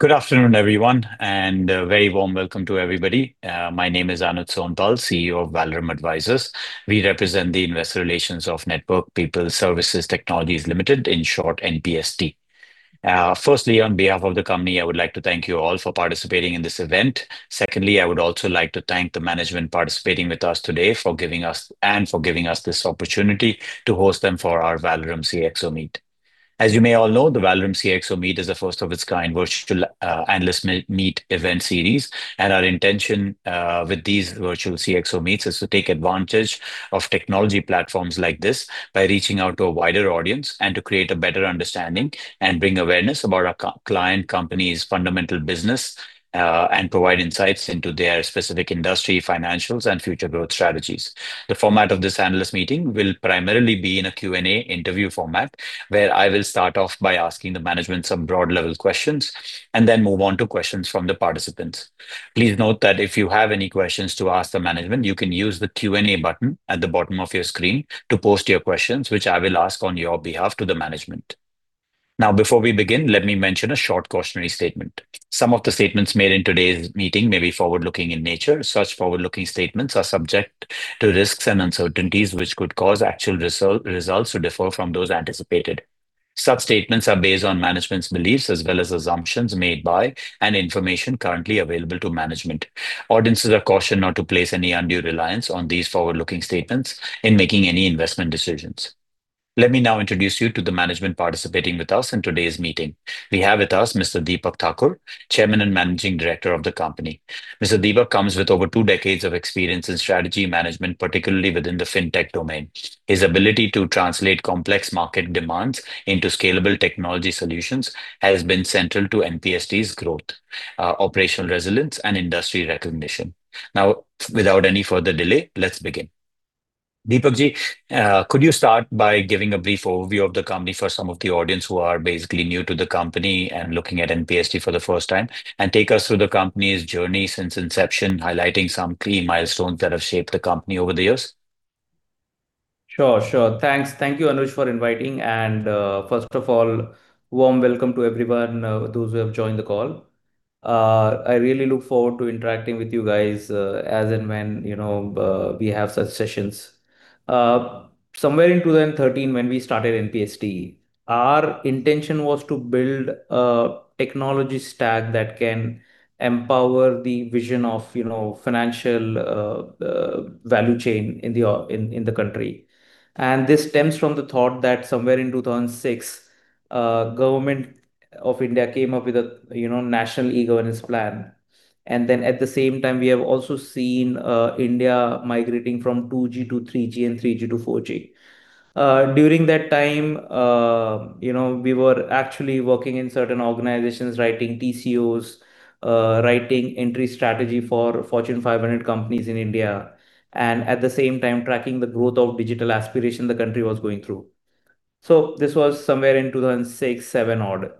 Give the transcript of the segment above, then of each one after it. Good afternoon, everyone, and a very warm welcome to everybody. My name is Anuj Sonpal, CEO of Valorem Advisors. We represent the investor relations of Network People Services Technologies Limited, in short, NPST. Firstly, on behalf of the company, I would like to thank you all for participating in this event. Secondly, I would also like to thank the management participating with us today, and for giving us this opportunity to host them for our Valorem CXO Meet. As you may all know, the Valorem CXO Meet is a first of its kind virtual analyst meet event series. Our intention with these virtual CXO meets is to take advantage of technology platforms like this by reaching out to a wider audience and to create a better understanding and bring awareness about our client company's fundamental business, and provide insights into their specific industry financials and future growth strategies. The format of this analyst meeting will primarily be in a Q&A interview format, where I will start off by asking the management some broad level questions and then move on to questions from the participants. Please note that if you have any questions to ask the management, you can use the Q&A button at the bottom of your screen to post your questions, which I will ask on your behalf to the management. Now, before we begin, let me mention a short cautionary statement. Some of the statements made in today's meeting may be forward-looking in nature. Such forward-looking statements are subject to risks and uncertainties, which could cause actual results to differ from those anticipated. Such statements are based on management's beliefs as well as assumptions made by, and information currently available to management. Audiences are cautioned not to place any undue reliance on these forward-looking statements in making any investment decisions. Let me now introduce you to the management participating with us in today's meeting. We have with us Mr. Deepak Thakur, Chairman and Managing Director of the company. Mr. Deepak comes with over two decades of experience in strategy management, particularly within the fintech domain. His ability to translate complex market demands into scalable technology solutions has been central to NPST's growth, operational resilience, and industry recognition. Now, without any further delay, let's begin. Deepak-ji, could you start by giving a brief overview of the company for some of the audience who are basically new to the company and looking at NPST for the first time? And take us through the company's journey since inception, highlighting some key milestones that have shaped the company over the years. Sure. Thanks. Thank you, Anuj, for inviting. First of all, warm welcome to everyone, those who have joined the call. I really look forward to interacting with you guys as and when we have such sessions. Somewhere in 2013, when we started NPST, our intention was to build a technology stack that can empower the vision of financial value chain in the country. This stems from the thought that somewhere in 2006, Government of India came up with a national e-governance plan. At the same time, we have also seen India migrating from 2G to 3G and 3G to 4G. During that time, we were actually working in certain organizations writing TCOs, writing entry strategy for Fortune 500 companies in India, and at the same time, tracking the growth of digital aspiration the country was going through. So this was somewhere in 2006, 2007 odd.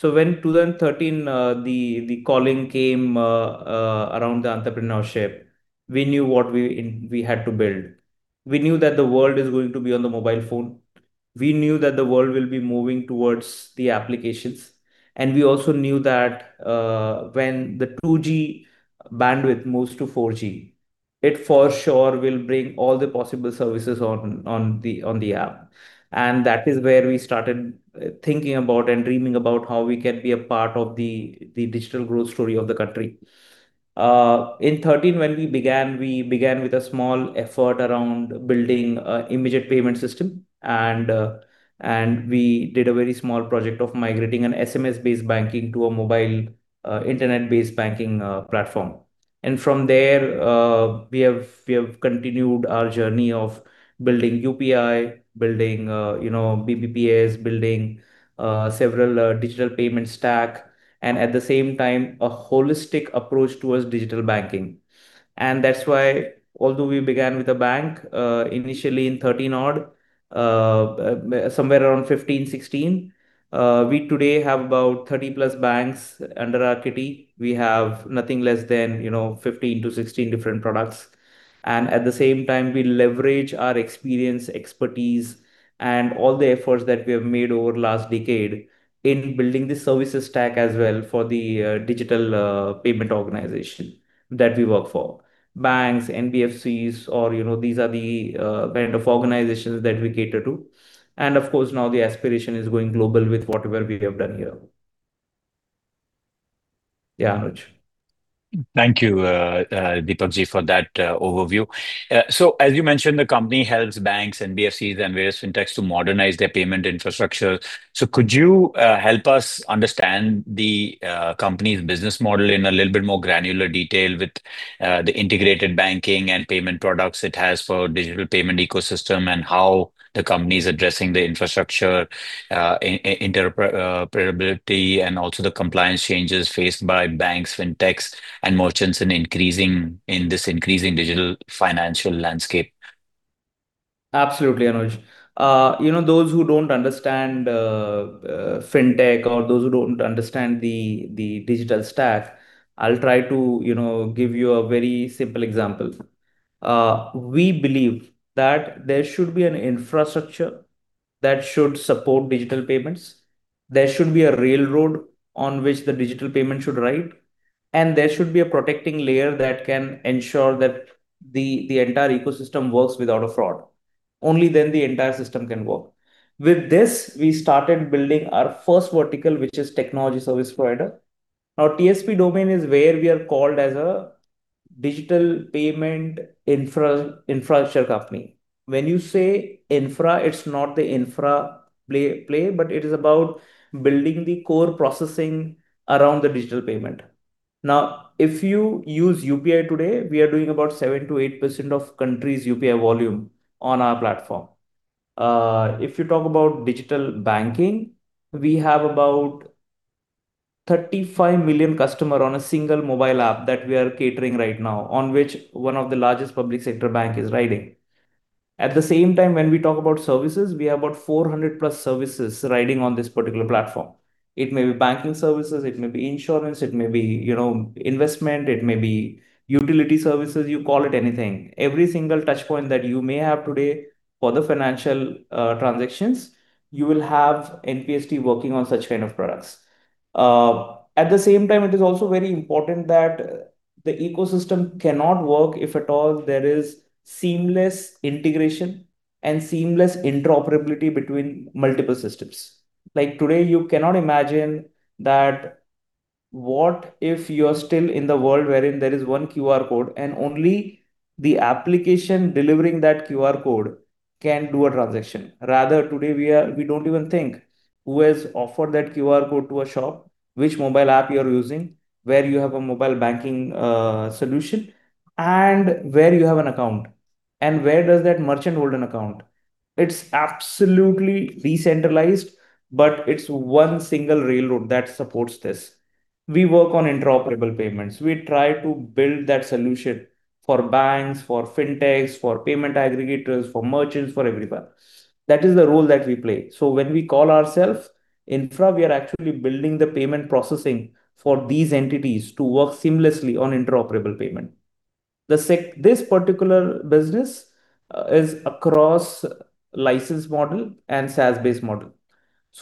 When 2013, the calling came, around the entrepreneurship, we knew what we had to build. We knew that the world is going to be on the mobile phone. We knew that the world will be moving towards the applications. We also knew that when the 2G bandwidth moves to 4G, it for sure will bring all the possible services on the app. That is where we started thinking about and dreaming about how we can be a part of the digital growth story of the country. In 2013, when we began, we began with a small effort around building immediate payment system. We did a very small project of migrating an SMS-based banking to a mobile internet-based banking platform. From there, we have continued our journey of building UPI, building BBPS, building several digital payment stack, and at the same time, a holistic approach towards digital banking. That's why although we began with a bank, initially in 2013 odd, somewhere around 2015, 2016, we today have about 30+ banks under our kitty. We have nothing less than 15-16 different products. At the same time, we leverage our experience, expertise, and all the efforts that we have made over last decade in building the services stack as well for the digital payment organization that we work for. Banks, NBFCs, these are the kind of organizations that we cater to. Of course, now the aspiration is going global with whatever we have done here. Yeah, Anuj. Thank you, Deepak-ji, for that overview. As you mentioned, the company helps banks, NBFCs, and various fintechs to modernize their payment infrastructure. Could you help us understand the company's business model in a little bit more granular detail with the integrated banking and payment products it has for digital payment ecosystem and how the company's addressing the infrastructure interoperability and also the compliance changes faced by banks, fintechs, and merchants in this increasing digital financial landscape? Absolutely, Anuj. Those who don't understand fintech or those who don't understand the digital stack, I'll try to give you a very simple example. We believe that there should be an infrastructure that should support digital payments. There should be a railroad on which the digital payment should ride, there should be a protecting layer that can ensure that the entire ecosystem works without a fraud. Only then the entire system can work. With this, we started building our first vertical, which is technology service provider. TSP domain is where we are called as a digital payment infrastructure company. When you say infra, it's not the infra play, but it is about building the core processing around the digital payment. If you use UPI today, we are doing about 7%-8% of country's UPI volume on our platform. If you talk about digital banking, we have about 35 million customers on a single mobile app that we are catering right now, on which one of the largest public sector bank is riding. At the same time, when we talk about services, we have about 400+ services riding on this particular platform. It may be banking services, it may be insurance, it may be investment, it may be utility services, you call it anything. Every single touch point that you may have today for the financial transactions, you will have NPST working on such kind of products. At the same time, it is also very important that the ecosystem cannot work if at all there is seamless integration and seamless interoperability between multiple systems. Like today, you cannot imagine that what if you are still in the world wherein there is one QR code and only the application delivering that QR code can do a transaction. Rather today, we don't even think who has offered that QR code to a shop, which mobile app you're using, where you have a mobile banking solution, and where you have an account, and where does that merchant hold an account. It's absolutely decentralized, but it's one single railroad that supports this. We work on interoperable payments. We try to build that solution for banks, for fintechs, for payment aggregators, for merchants, for everyone. That is the role that we play. When we call ourself infra, we are actually building the payment processing for these entities to work seamlessly on interoperable payment. This particular business is across license model and SaaS-based model.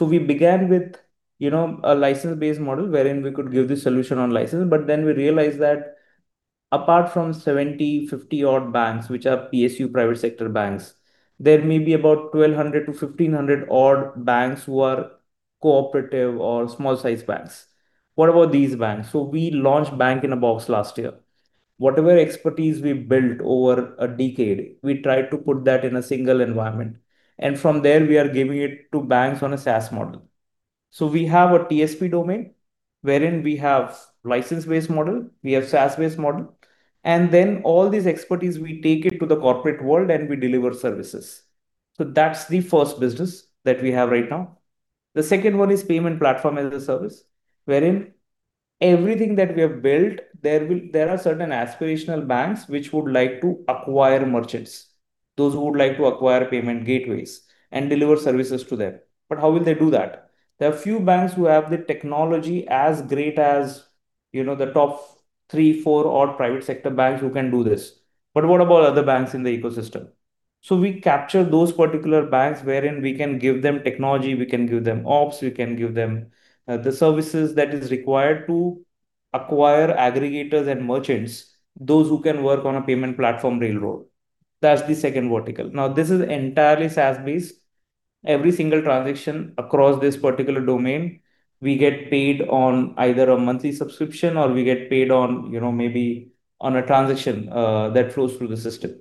We began with a license-based model wherein we could give the solution on license, we realized that apart from 70, 50 odd banks, which are PSU private sector banks, there may be about 1,200-1,500 odd banks who are cooperative or small-sized banks. What about these banks? We launched Bank-in-a-Box last year. Whatever expertise we built over a decade, we tried to put that in a single environment. From there we are giving it to banks on a SaaS model. We have a TSP domain, wherein we have license-based model, we have SaaS-based model, all these expertise, we take it to the corporate world and we deliver services. That's the first business that we have right now. The second one is Payments Platform-as-a-Service, wherein everything that we have built, there are certain aspirational banks which would like to acquire merchants, those who would like to acquire payment gateways and deliver services to them. How will they do that? There are few banks who have the technology as great as the top three, four odd private sector banks who can do this. What about other banks in the ecosystem? We capture those particular banks wherein we can give them technology, we can give them ops, we can give them the services that is required to acquire aggregators and merchants, those who can work on a payment platform railroad. That's the second vertical. This is entirely SaaS-based. Every single transaction across this particular domain, we get paid on either a monthly subscription or we get paid on maybe on a transition that flows through the system.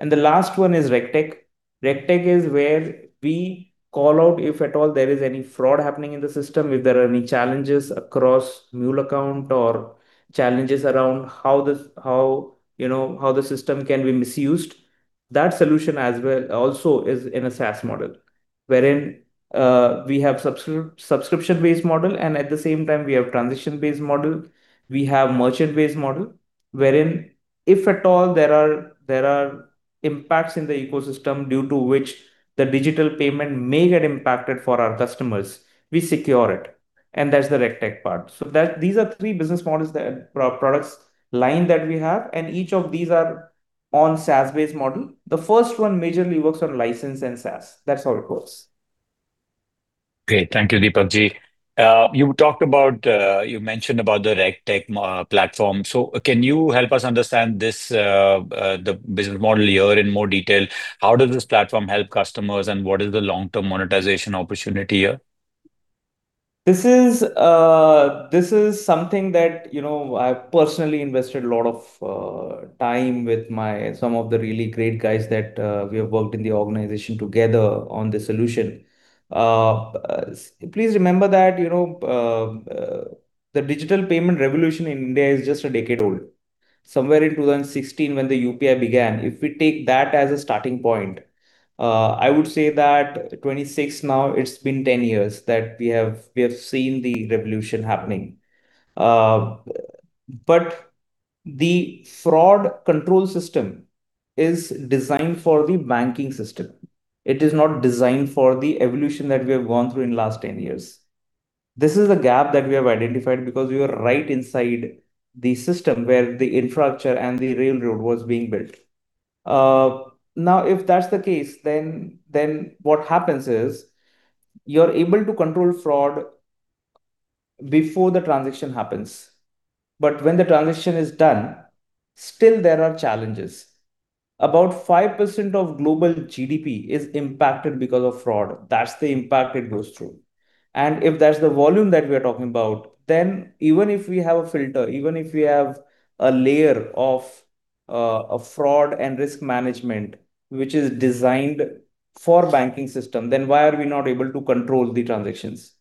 The last one is RegTech. RegTech is where we call out if at all there is any fraud happening in the system, if there are any challenges across mule account or challenges around how the system can be misused. That solution also is in a SaaS model, wherein we have subscription-based model, and at the same time, we have transition-based model. We have merchant-based model, wherein if at all there are impacts in the ecosystem due to which the digital payment may get impacted for our customers, we secure it, and that's the RegTech part. These are three business models, the products line that we have, and each of these are on SaaS-based model. The first one majorly works on license and SaaS. That's how it works. Great. Thank you, Deepak-ji. You mentioned about the RegTech platform. Can you help us understand the business model here in more detail? How does this platform help customers, and what is the long-term monetization opportunity here? This is something that I've personally invested a lot of time with some of the really great guys that we have worked in the organization together on the solution. Please remember that the digital payment revolution in India is just a decade old. Somewhere in 2016 when the UPI began, if we take that as a starting point, I would say that 2026 now, it's been 10 years that we have seen the revolution happening. The fraud control system is designed for the banking system. It is not designed for the evolution that we have gone through in last 10 years. This is a gap that we have identified because we are right inside the system where the infrastructure and the railroad was being built. If that's the case, what happens is you're able to control fraud before the transaction happens. When the transaction is done, still there are challenges. About 5% of global GDP is impacted because of fraud. That's the impact it goes through. If that's the volume that we're talking about, even if we have a filter, even if we have a layer of fraud and risk management, which is designed for banking system, then why are we not able to control the transactions?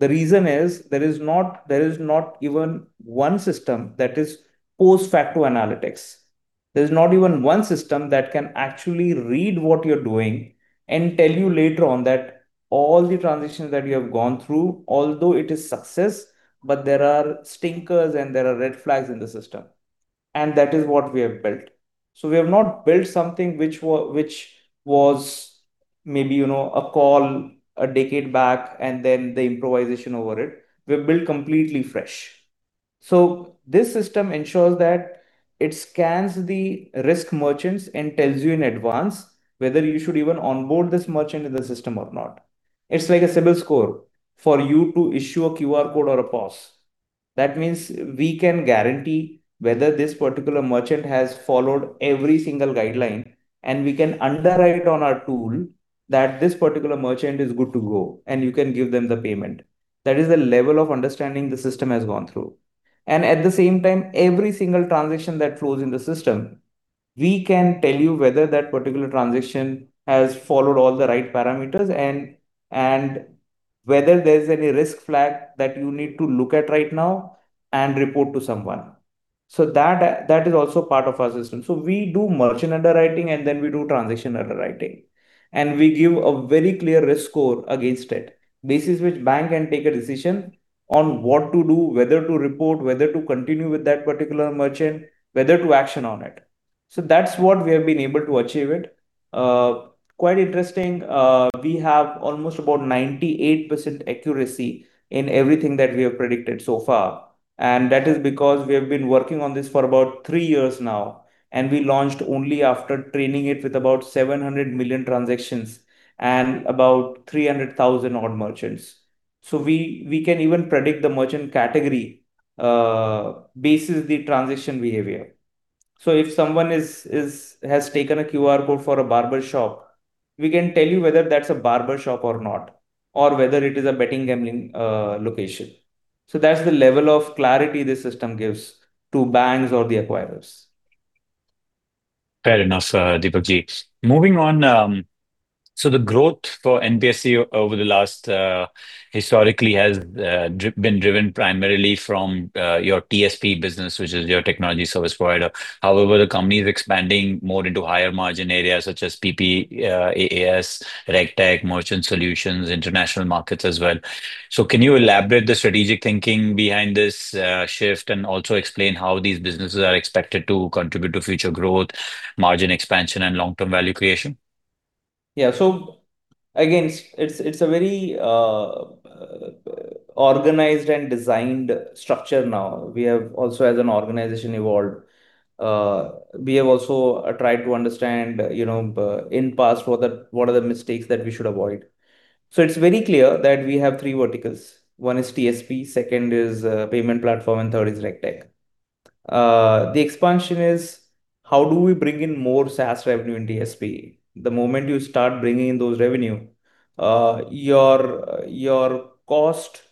The reason is there is not even one system that is post-facto analytics. There's not even one system that can actually read what you're doing and tell you later on that all the transactions that you have gone through, although it is success, but there are stinkers and there are red flags in the system. That is what we have built. We have not built something which was maybe a call a decade back, the improvisation over it. We've built completely fresh. This system ensures that it scans the risk merchants and tells you in advance whether you should even onboard this merchant in the system or not. It's like a civil score for you to issue a QR code or a POS. That means we can guarantee whether this particular merchant has followed every single guideline, and we can underwrite on our tool that this particular merchant is good to go, and you can give them the payment. That is the level of understanding the system has gone through. At the same time, every single transaction that flows in the system, we can tell you whether that particular transaction has followed all the right parameters, and whether there's any risk flag that you need to look at right now and report to someone. That is also part of our system. We do merchant underwriting, we do transaction underwriting, and we give a very clear risk score against it. Basis which bank can take a decision on what to do, whether to report, whether to continue with that particular merchant, whether to action on it. That's what we have been able to achieve with. Quite interesting, we have almost about 98% accuracy in everything that we have predicted so far. That is because we have been working on this for about three years now, and we launched only after training it with about 700 million transactions and about 300,000 odd merchants. We can even predict the merchant category, basis the transaction behavior. If someone has taken a QR code for a barber shop, we can tell you whether that's a barber shop or not, or whether it is a betting gambling location. That's the level of clarity the system gives to banks or the acquirers. Fair enough, Deepak-ji. Moving on. The growth for NPST over the last, historically has been driven primarily from your TSP business, which is your technology service provider. However, the company is expanding more into higher margin areas such as PPaaS, RegTech, merchant solutions, international markets as well. Can you elaborate the strategic thinking behind this shift and also explain how these businesses are expected to contribute to future growth, margin expansion, and long-term value creation? Yeah. Again, it's a very organized and designed structure now. We have also, as an organization, evolved. We have also tried to understand, in past, what are the mistakes that we should avoid. It's very clear that we have three verticals. One is TSP, second is payment platform, and third is RegTech. The expansion is how do we bring in more SaaS revenue in TSP? The moment you start bringing in those revenue, your cost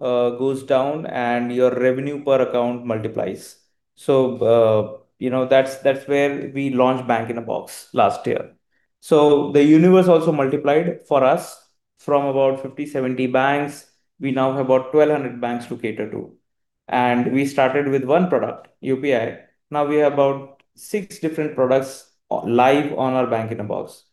goes down and your revenue per account multiplies. That's where we launched Bank-in-a-Box last year. The universe also multiplied for us from about 50, 70 banks, we now have about 1,200 banks to cater to. We started with one product, UPI. Now we have about six different products live on our Bank-in-a-Box.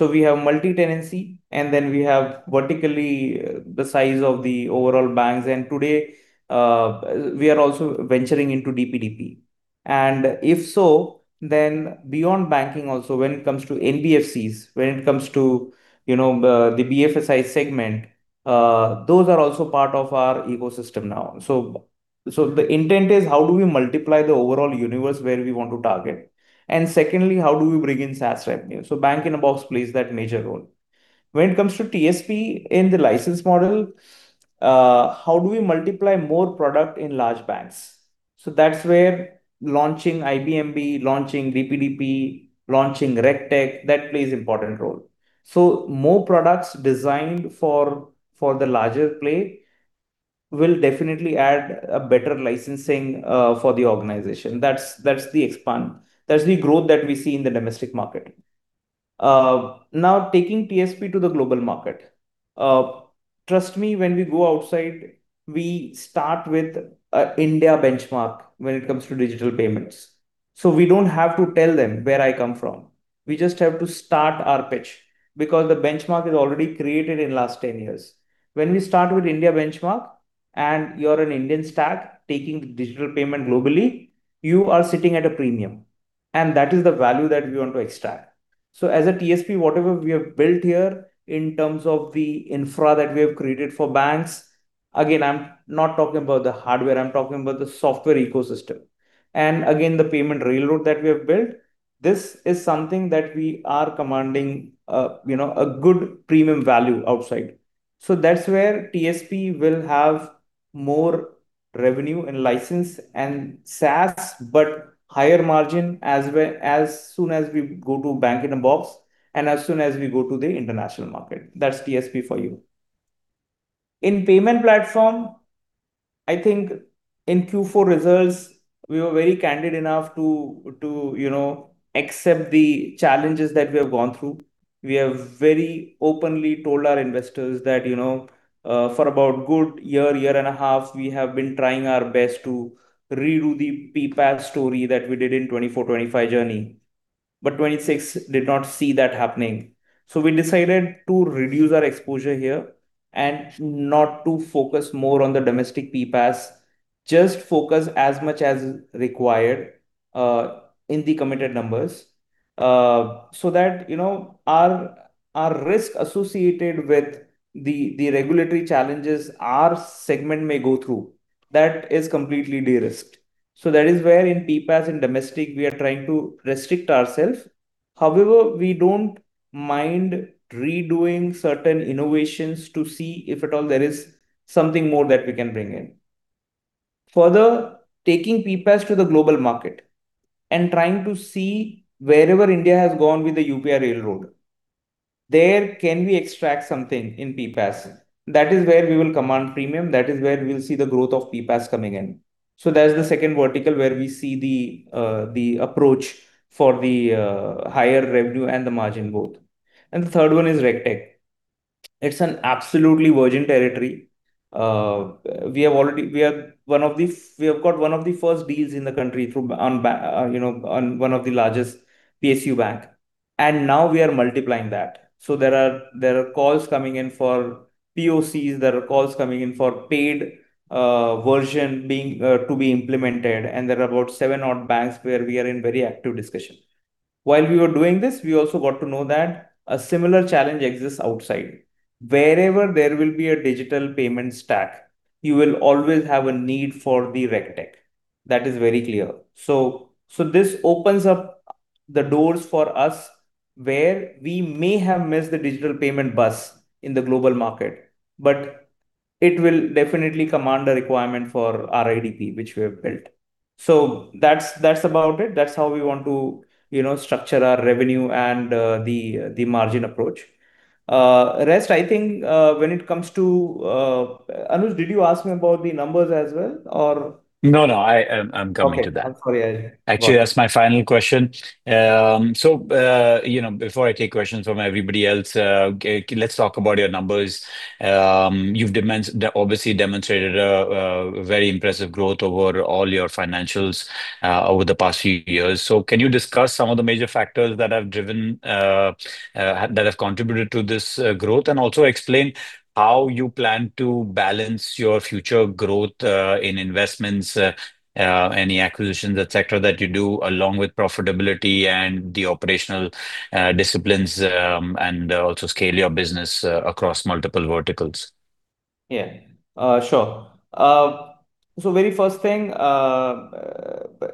We have multi-tenancy, and then we have vertically the size of the overall banks. Today, we are also venturing into DPDP. If so, then beyond banking also, when it comes to NBFCs, when it comes to the BFSI segment, those are also part of our ecosystem now. The intent is how do we multiply the overall universe where we want to target? Secondly, how do we bring in SaaS revenue? Bank-in-a-Box plays that major role. When it comes to TSP in the license model, how do we multiply more product in large banks? That's where launching IBMB, launching DPDP, launching RegTech, that plays important role. More products designed for the larger play will definitely add a better licensing for the organization. That's the expand. That's the growth that we see in the domestic market. Now, taking TSP to the global market. Trust me, when we go outside, we start with a India benchmark when it comes to digital payments. We don't have to tell them where I come from. We just have to start our pitch because the benchmark is already created in last 10 years. When we start with India benchmark, and you're an Indian stack taking digital payment globally, you are sitting at a premium, and that is the value that we want to extract. As a TSP, whatever we have built here in terms of the infra that we have created for banks, again, I'm not talking about the hardware, I'm talking about the software ecosystem. Again, the payment railroad that we have built, this is something that we are commanding a good premium value outside. That's where TSP will have more revenue and license and SaaS, but higher margin, as soon as we go to Bank-in-a-Box and as soon as we go to the international market. That's TSP for you. In payment platform, I think in Q4 results, we were very candid enough to accept the challenges that we have gone through. We have very openly told our investors that, for about a good 1.5 year, we have been trying our best to redo the PPaaS story that we did in 2024/2025 journey. 2026 did not see that happening. We decided to reduce our exposure here and not to focus more on the domestic PPaaS, just focus as much as required, in the committed numbers. That our risk associated with the regulatory challenges our segment may go through, that is completely de-risked. That is where in PPaaS in domestic, we are trying to restrict ourselves. However, we don't mind redoing certain innovations to see if at all there is something more that we can bring in. Further, taking PPaaS to the global market and trying to see wherever India has gone with the UPI railroad, there can we extract something in PPaaS? That is where we will command premium. That is where we'll see the growth of PPaaS coming in. That is the second vertical where we see the approach for the higher revenue and the margin both. The third one is RegTech. It's an absolutely virgin territory. We have got one of the first deals in the country on one of the largest PSU bank, and now we are multiplying that. There are calls coming in for POCs, there are calls coming in for paid version to be implemented, and there are about seven odd banks where we are in very active discussion. While we were doing this, we also got to know that a similar challenge exists outside. Wherever there will be a digital payment stack, you will always have a need for the RegTech. That is very clear. This opens up the doors for us where we may have missed the digital payment bus in the global market, but it will definitely command a requirement for our RIDP, which we have built. That's about it. That's how we want to structure our revenue and the margin approach. Rest, I think, when it comes to Anuj, did you ask me about the numbers as well, or? No, I'm coming to that. Okay. I'm sorry. Actually, that's my final question. Before I take questions from everybody else, let's talk about your numbers. You've obviously demonstrated a very impressive growth over all your financials over the past few years. Can you discuss some of the major factors that have contributed to this growth? Also explain how you plan to balance your future growth, in investments, any acquisitions, et cetera, that you do, along with profitability and the operational disciplines, also scale your business across multiple verticals. Yeah. Sure. Very first thing,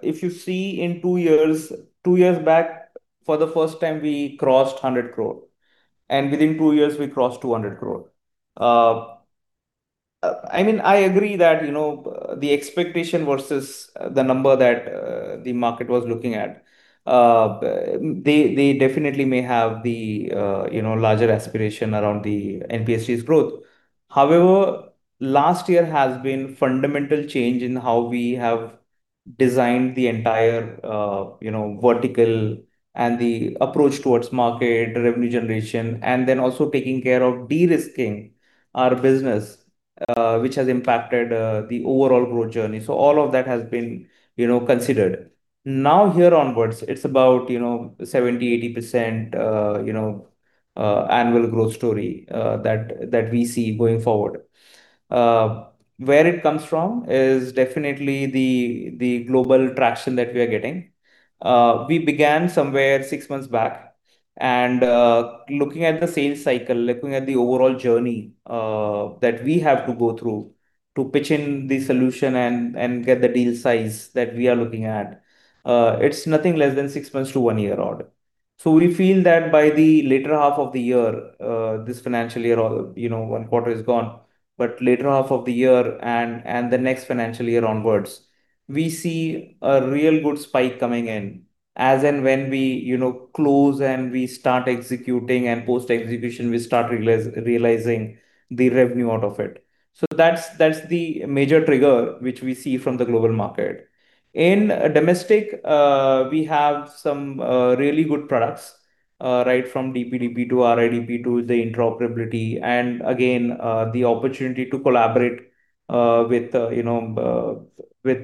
if you see in two years, two years back, for the first time, we crossed 100 crore, within two years, we crossed 200 crore. I agree that the expectation versus the number that the market was looking at, they definitely may have the larger aspiration around the NPST's growth. However, last year has been fundamental change in how we have designed the entire vertical and the approach towards market, revenue generation, also taking care of de-risking our business, which has impacted the overall growth journey. All of that has been considered. Now here onwards, it's about 70%-80% annual growth story that we see going forward. Where it comes from is definitely the global traction that we are getting. We began somewhere six months back and, looking at the sales cycle, looking at the overall journey that we have to go through to pitch in the solution and get the deal size that we are looking at, it's nothing less than six months to one year odd. We feel that by the latter half of the year, this financial year, one quarter is gone, but latter half of the year and the next financial year onwards, we see a real good spike coming in as and when we close and we start executing and post-execution, we start realizing the revenue out of it. That's the major trigger which we see from the global market. In domestic, we have some really good products, right from DPDP 2, RIDP 2, the interoperability, again, the opportunity to collaborate with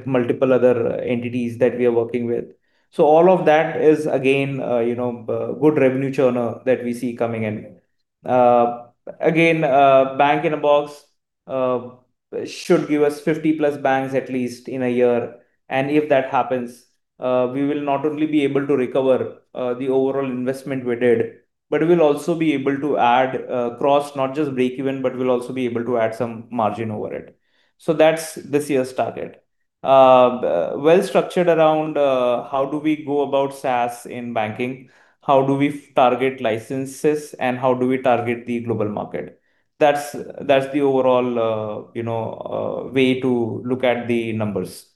multiple other entities that we are working with. All of that is again good revenue churner that we see coming in. Again, Bank-in-a-Box should give us 50+ banks at least in a year. If that happens, we will not only be able to recover the overall investment we did, but we'll also be able to add cross, not just break even, but we'll also be able to add some margin over it. That's this year's target. Well-structured around how do we go about SaaS in banking, how do we target licenses, and how do we target the global market? That's the overall way to look at the numbers.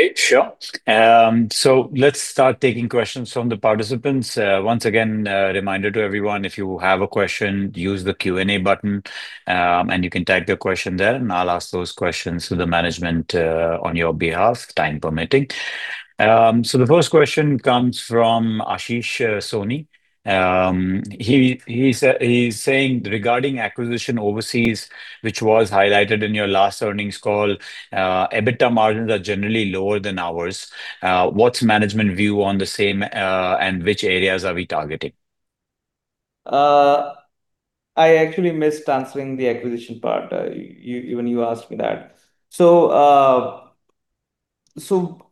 Okay, sure. Let's start taking questions from the participants. Once again, a reminder to everyone, if you have a question, use the Q&A button, You can type your question there, I'll ask those questions to the management, on your behalf, time permitting. The first question comes from Ashish Soni. He's saying, "Regarding acquisition overseas, which was highlighted in your last earnings call, EBITDA margins are generally lower than ours. What's management view on the same, and which areas are we targeting?" I actually missed answering the acquisition part, when you asked me that.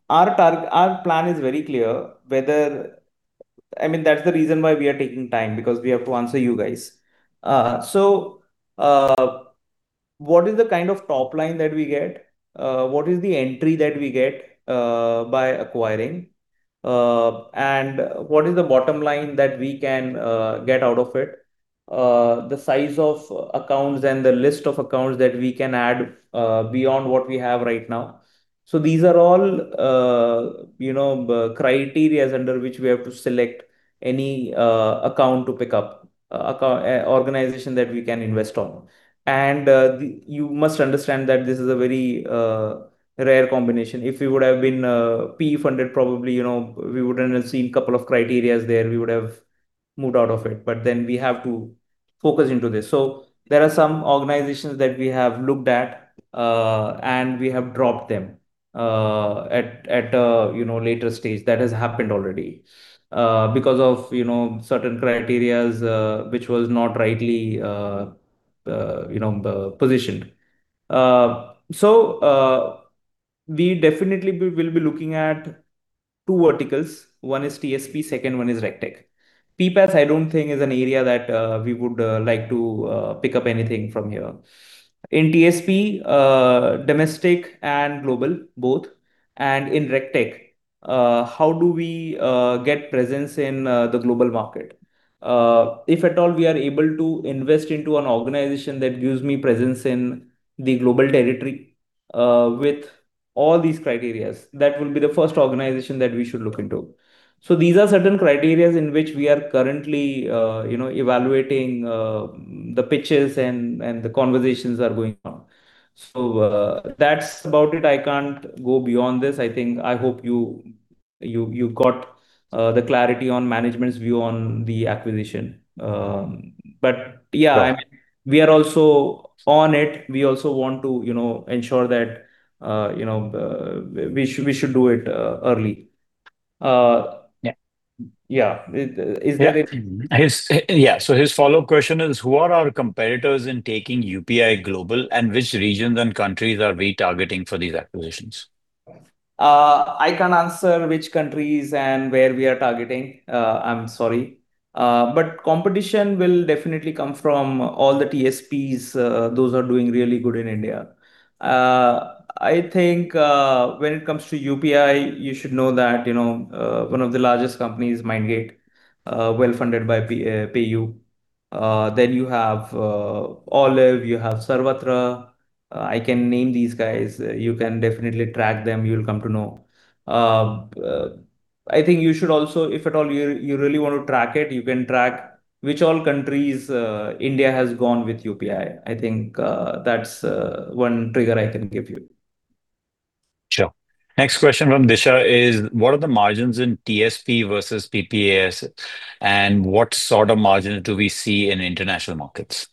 Our plan is very clear whether. That's the reason why we are taking time, because we have to answer you guys. What is the kind of top line that we get? What is the entry that we get by acquiring? What is the bottom line that we can get out of it? The size of accounts and the list of accounts that we can add beyond what we have right now. These are all criterias under which we have to select any account to pick up, organization that we can invest on. You must understand that this is a very rare combination. If we would have been PE funded, probably, we wouldn't have seen couple of criterias there. We would have moved out of it. We have to focus into this. There are some organizations that we have looked at, We have dropped them at a later stage. That has happened already, because of certain criterias, which was not rightly positioned. We definitely will be looking at two verticals. One is TSP, second one is RegTech. PPaaS, I don't think is an area that we would like to pick up anything from here. In TSP, domestic and global both, In RegTech, how do we get presence in the global market? If at all, we are able to invest into an organization that gives me presence in the global territory, with all these criterias. That will be the first organization that we should look into. These are certain criterias in which we are currently evaluating the pitches and the conversations are going on. That's about it. I can't go beyond this. I hope you got the clarity on management's view on the acquisition. We are also on it. We also want to ensure that we should do it early. Yeah. Yeah. Is there? Yeah. His follow-up question is, who are our competitors in taking UPI global, and which regions and countries are we targeting for these acquisitions? I can't answer which countries and where we are targeting. I'm sorry. Competition will definitely come from all the TSPs, those are doing really good in India. I think when it comes to UPI, you should know that one of the largest companies, Mindgate, well-funded by PayU. Then you have Olive, you have Sarvatra. I can name these guys. You can definitely track them. You'll come to know. I think you should also, if at all you really want to track it, you can track which all countries India has gone with UPI. I think that's one trigger I can give you. Sure. Next question from Disha is, what are the margins in TSP versus PPaaS, and what sort of margins do we see in international markets?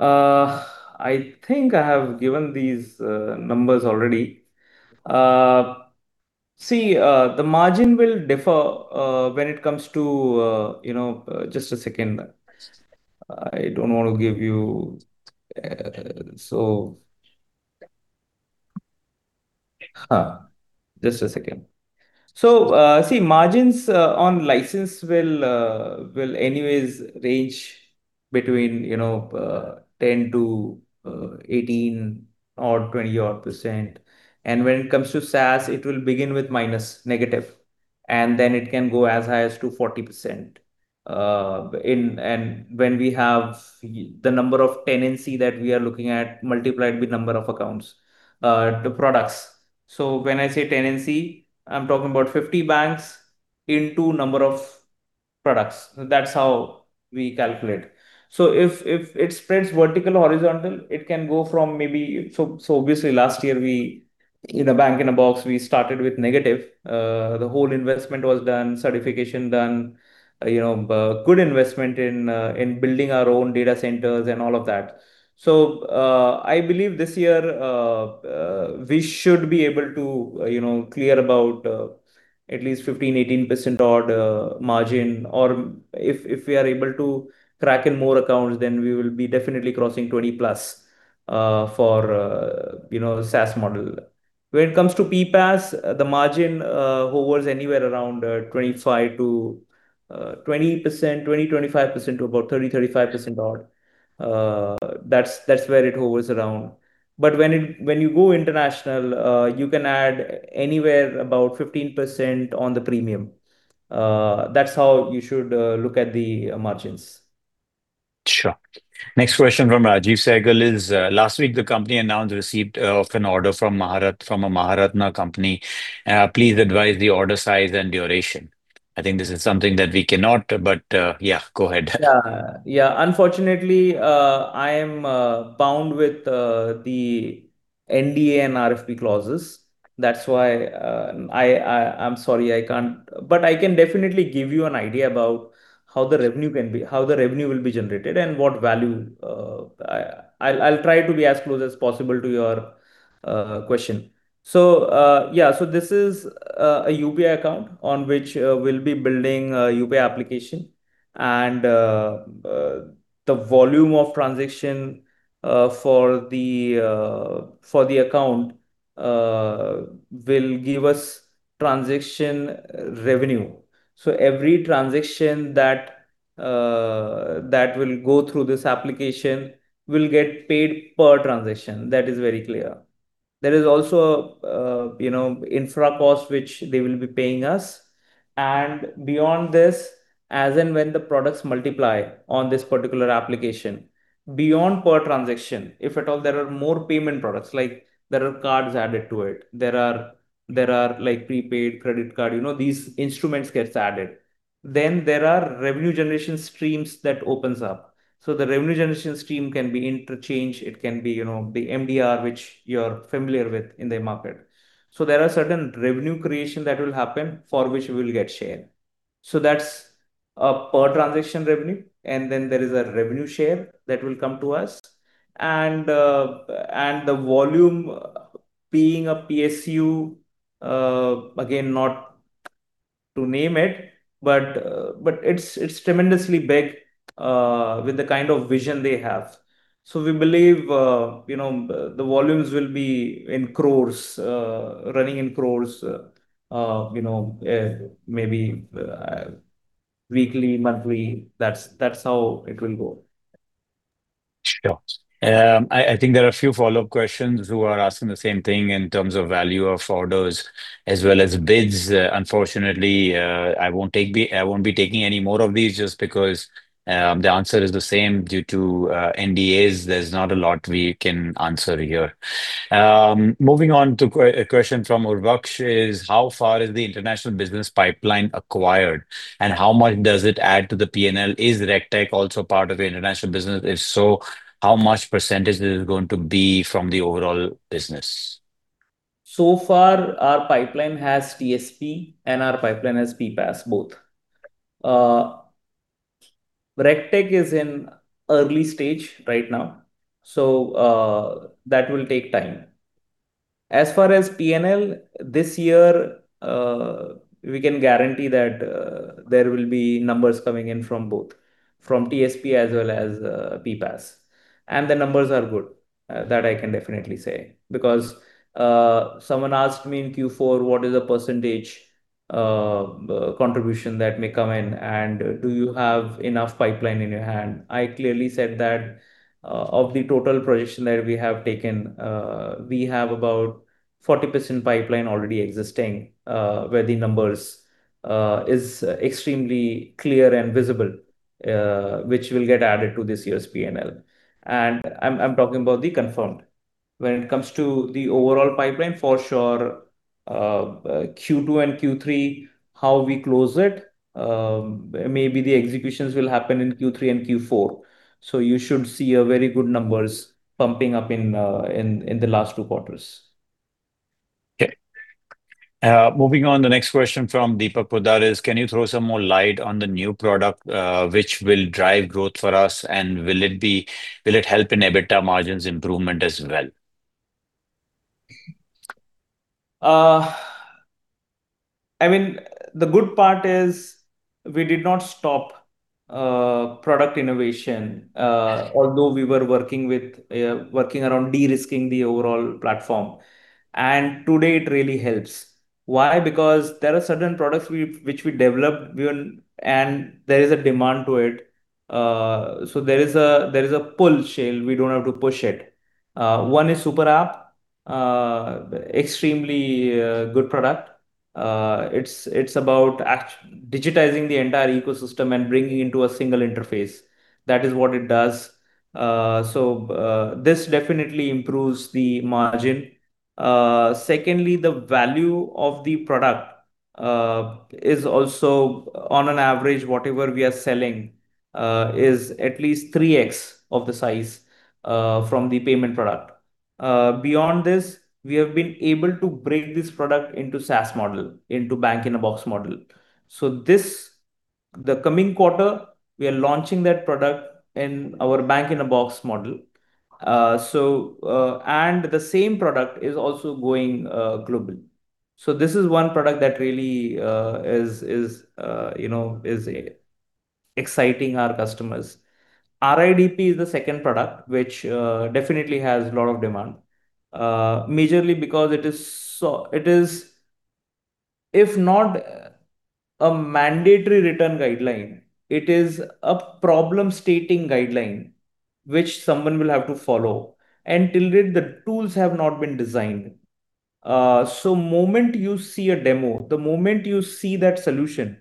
I think I have given these numbers already. Margins on license will anyways range between 10% to 18% or 20% odd. When it comes to SaaS, it will begin with minus, negative, and then it can go as high as to 40%. When we have the number of tenancy that we are looking at multiplied with number of accounts, the products. When I say tenancy, I'm talking about 50 banks into number of products. That's how we calculate. Obviously last year in a Bank-in-a-Box, we started with negative. The whole investment was done, certification done, good investment in building our own data centers and all of that. I believe this year, we should be able to clear about at least 15%, 18% odd margin. Or if we are able to crack in more accounts, then we will be definitely crossing 20%+ for SaaS model. When it comes to PPaaS, the margin hovers anywhere around 20%-25% to about 30%-35% odd. That's where it hovers around. When you go international, you can add anywhere about 15% on the premium. That's how you should look at the margins. Sure. Next question from Rajiv Sehgal is, "Last week the company announced receipt of an order from a Maharatna company. Please advise the order size and duration." I think this is something that we cannot, but yeah, go ahead. Yeah. Unfortunately, I am bound with the NDA and RFP clauses. That's why, I'm sorry, I can't. But I can definitely give you an idea about how the revenue will be generated and what value. I'll try to be as close as possible to your question. This is a UPI account on which we'll be building a UPI application, and the volume of transaction for the account will give us transaction revenue. So every transaction that will go through this application will get paid per transaction. That is very clear. There is also infra cost, which they will be paying us. Beyond this, as and when the products multiply on this particular application, beyond per transaction, if at all, there are more payment products, like there are cards added to it, there are prepaid credit card, these instruments gets added, then there are revenue generation streams that opens up. So the revenue generation stream can be interchange, it can be the MDR, which you're familiar with in the market. So there are certain revenue creation that will happen for which we'll get share. So that's a per-transaction revenue, and then there is a revenue share that will come to us. And the volume being a PSU, again, not to name it, but it's tremendously big, with the kind of vision they have. So we believe the volumes will be running in crores, maybe weekly, monthly. That's how it will go. Sure. I think there are a few follow-up questions who are asking the same thing in terms of value of orders as well as bids. Unfortunately, I won't be taking any more of these just because the answer is the same due to NDAs. There's not a lot we can answer here. Moving on to a question from Urvaksh is, "How far is the international business pipeline acquired, and how much does it add to the P&L? Is RegTech also part of the international business? If so, how much percentage is it going to be from the overall business? Our pipeline has TSP and our pipeline has PPaaS both. RegTech is in early stage right now, so that will take time. As far as P&L, this year, we can guarantee that there will be numbers coming in from both, from TSP as well as PPaaS. The numbers are good. That I can definitely say, because someone asked me in Q4, what is the percentage contribution that may come in, and do you have enough pipeline in your hand? I clearly said that, of the total projection that we have taken, we have about 40% pipeline already existing, where the numbers is extremely clear and visible, which will get added to this year's P&L. I'm talking about the confirmed. When it comes to the overall pipeline, for sure, Q2 and Q3, how we close it, maybe the executions will happen in Q3 and Q4. You should see a very good numbers pumping up in the last two quarters. Okay. Moving on, the next question from Deepak Poddar is, "Can you throw some more light on the new product, which will drive growth for us, and will it help in EBITDA margins improvement as well? The good part is we did not stop product innovation, although we were working around de-risking the overall platform. Today it really helps. Why? Because there are certain products which we developed and there is a demand to it. There is a pull sale, we don't have to push it. One is Super App. Extremely good product. It's about digitizing the entire ecosystem and bringing into a single interface. That is what it does. This definitely improves the margin. Secondly, the value of the product, is also on an average, whatever we are selling is at least 3x of the size from the payment product. Beyond this, we have been able to break this product into SaaS model, into Bank-in-a-Box model. The coming quarter, we are launching that product in our Bank-in-a-Box model. The same product is also going global. This is one product that really is exciting our customers. RIDP is the second product, which definitely has a lot of demand, majorly because it is, if not a mandatory return guideline, it is a problem-stating guideline which someone will have to follow. Till date, the tools have not been designed. Moment you see a demo, the moment you see that solution,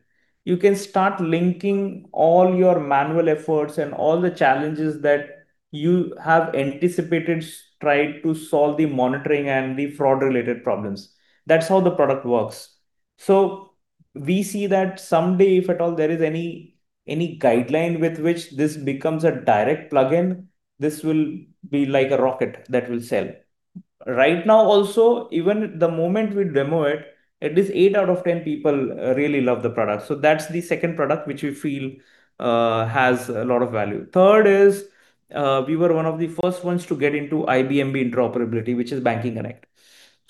you can start linking all your manual efforts and all the challenges that you have anticipated, tried to solve the monitoring and the fraud-related problems. That's how the product works. We see that someday, if at all, there is any guideline with which this becomes a direct plugin, this will be like a rocket that will sell. Right now also, even the moment we demo it, at least 8/10 people really love the product. That's the second product which we feel has a lot of value. Third is, we were one of the first ones to get into IBMB interoperability, which is Banking Connect.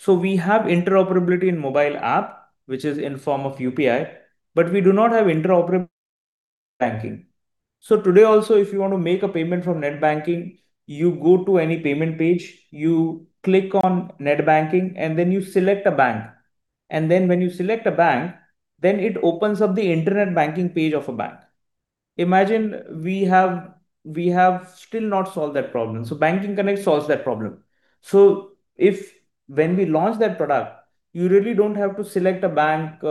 We have interoperability in mobile app, which is in form of UPI, but we do not have interoperable banking. Today also, if you want to make a payment from net banking, you go to any payment page, you click on net banking, then you select a bank. Then when you select a bank, then it opens up the internet banking page of a bank. Imagine we have still not solved that problem. Banking Connect solves that problem. When we launch that product, you really don't have to select a bank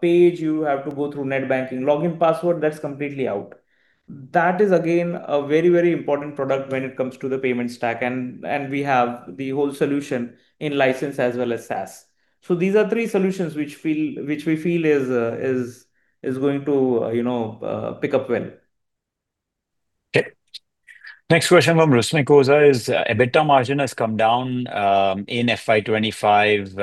page. You have to go through net banking login password. That's completely out. That is again a very important product when it comes to the payment stack, and we have the whole solution in license as well as SaaS. These are three solutions which we feel is going to pick up well. Okay. Next question from Rusmik Oza is EBITDA margin has come down in FY 2025.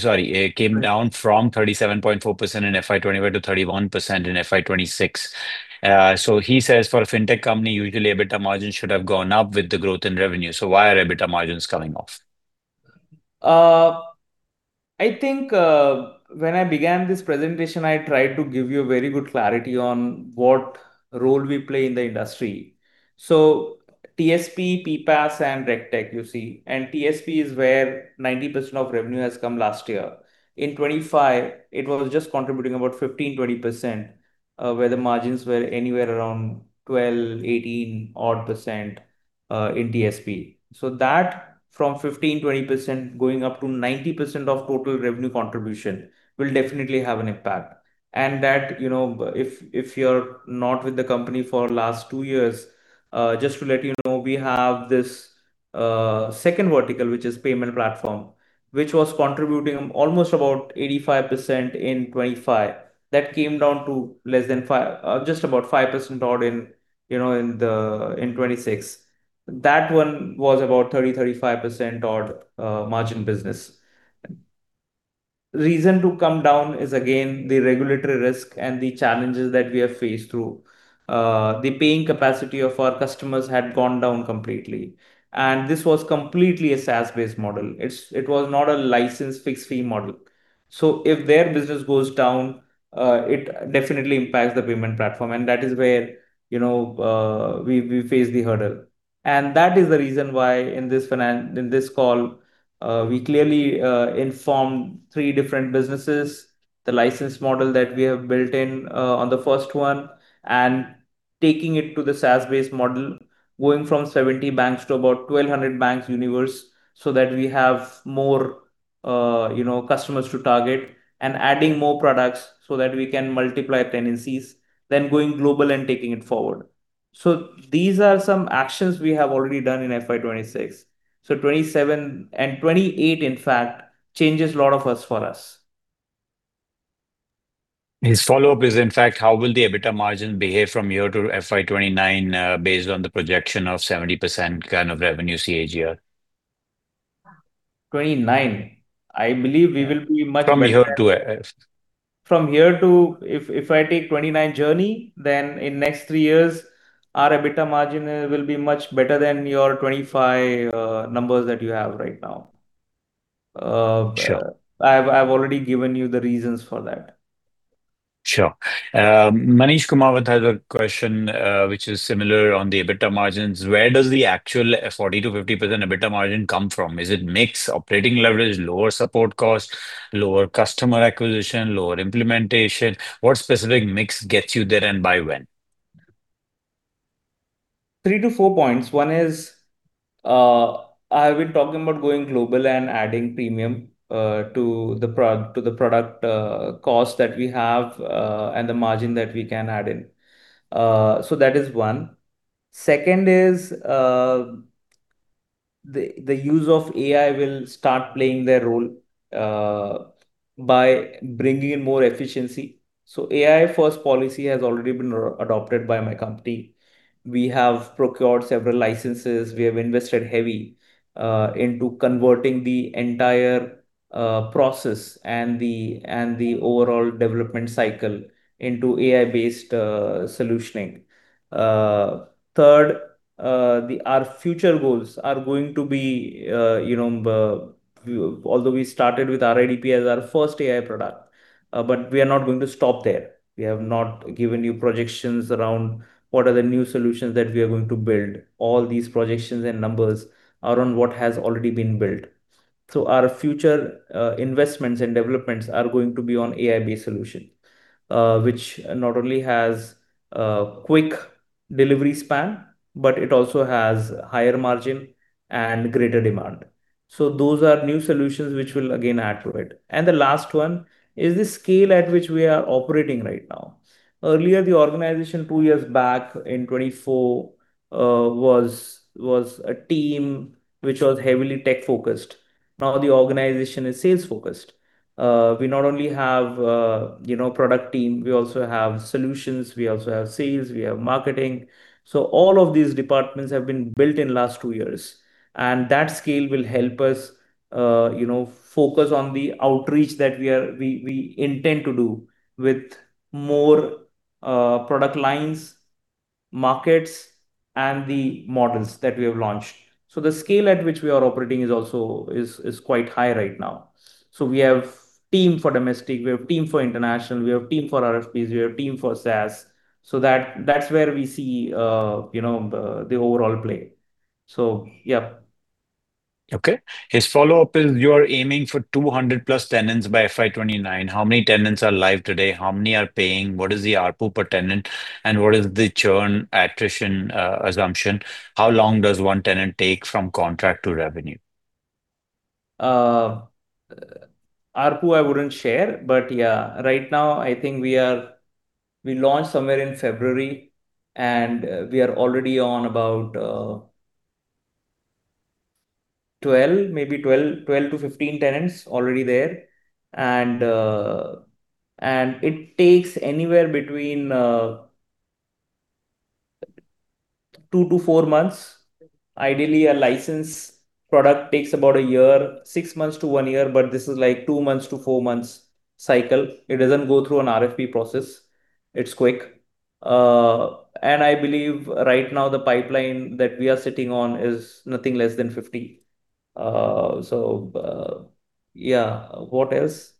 Sorry, it came down from 37.4% in FY 2025 to 31% in FY 2026. He says, for fintech company, usually EBITDA margin should have gone up with the growth in revenue. Why are EBITDA margins coming off? I think when I began this presentation, I tried to give you very good clarity on what role we play in the industry. TSP, PPaaS, and RegTech, you see. TSP is where 90% of revenue has come last year. In 2025, it was just contributing about 15%-20%, where the margins were anywhere around 12%-18% odd in TSP. That from 15%-20% going up to 90% of total revenue contribution will definitely have an impact. That, if you're not with the company for last two years, just to let you know, we have this second vertical, which is payment platform, which was contributing almost about 85% in 2025. That came down to just about 5% odd in 2026. That one was about 30%-35% odd margin business. Reason to come down is again, the regulatory risk and the challenges that we have faced through. The paying capacity of our customers had gone down completely, and this was completely a SaaS-based model. It was not a license-fixed-fee model. If their business goes down, it definitely impacts the payment platform, and that is where we face the hurdle. That is the reason why in this call, we clearly informed three different businesses, the license model that we have built in on the first one, and taking it to the SaaS-based model, going from 70 banks to about 1,200 banks universe, so that we have more customers to target and adding more products so that we can multiply tenancies, then going global and taking it forward. These are some actions we have already done in FY 2026. 2027 and 2028, in fact, changes lot of us for us. His follow-up is, in fact, how will the EBITDA margin behave from here to FY 2029, based on the projection of 70% kind of revenue CAGR? 2029, I believe we will be. From here to. From here to, if I take 2029 journey, then in next three years, our EBITDA margin will be much better than your 2025 numbers that you have right now. Sure. I've already given you the reasons for that. Sure. Manish Kumawat has a question, which is similar on the EBITDA margins. Where does the actual 40%-50% EBITDA margin come from? Is it mix, operating leverage, lower support cost, lower customer acquisition, lower implementation? What specific mix gets you there, and by when? Three to four points. One is, I've been talking about going global and adding premium to the product cost that we have, and the margin that we can add in. That is one. The use of AI will start playing their role by bringing in more efficiency. AI-first policy has already been adopted by my company. We have procured several licenses. We have invested heavy into converting the entire process and the overall development cycle into AI-based solutioning. Third, our future goals are going to be, although we started with RIDP as our first AI product, we are not going to stop there. We have not given you projections around what are the new solutions that we are going to build. All these projections and numbers are on what has already been built. Our future investments and developments are going to be on AI-based solution, which not only has a quick delivery span, it also has higher margin and greater demand. Those are new solutions which will again add to it. The last one is the scale at which we are operating right now. Earlier, the organization, two years back in 2024, was a team which was heavily tech-focused. Now, the organization is sales-focused. We not only have product team, we also have solutions, we also have sales, we have marketing. All of these departments have been built in last two years, and that scale will help us focus on the outreach that we intend to do with more product lines, markets, and the models that we have launched. The scale at which we are operating is also quite high right now. We have team for domestic, we have team for international, we have team for RFPs, we have team for SaaS. That's where we see the overall play. Yeah. Okay. His follow-up is, you are aiming for 200+ tenants by FY 2029. How many tenants are live today? How many are paying? What is the ARPU per tenant? What is the churn attrition assumption? How long does one tenant take from contract to revenue? ARPU, I wouldn't share, yeah. Right now, I think we launched somewhere in February, we are already on about 12, maybe 12-15 tenants already there. It takes anywhere between two to four months. Ideally, a licensed product takes about a year, six months to one year, but this is like two months to four months cycle. It doesn't go through an RFP process. It's quick. I believe right now the pipeline that we are sitting on is nothing less than 50. Yeah. What else?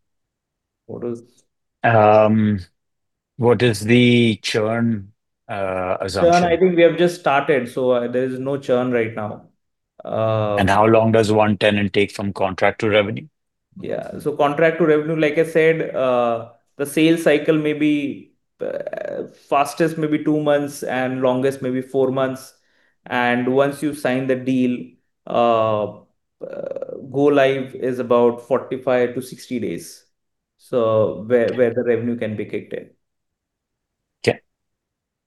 What was? What is the churn assumption? Churn, I think we have just started, there's no churn right now. How long does one tenant take from contract to revenue? Contract to revenue, like I said, the sales cycle may be, fastest maybe two months, and longest maybe four months. Once you've signed the deal, go live is about 45-60 days, where the revenue can be kicked in. Okay.